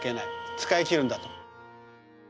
使い切るんだと。